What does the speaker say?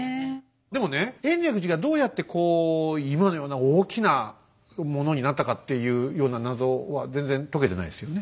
でもね延暦寺がどうやってこう今のような大きなものになったかっていうような謎は所長